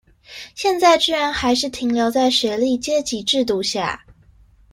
現在居然還是停留在學歷階級制度下？